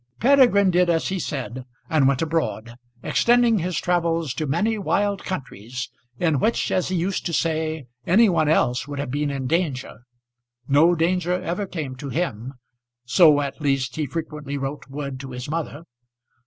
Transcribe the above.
Peregrine did as he said, and went abroad, extending his travels to many wild countries, in which, as he used to say, any one else would have been in danger. No danger ever came to him, so at least he frequently wrote word to his mother.